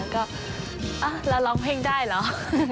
แล้วก็อ๊ะแล้วร้องเพลงได้เหรอ